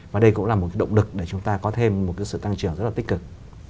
và đây cũng là một cái động lực để chúng ta có thêm một cái sự tăng trưởng rất là tích cực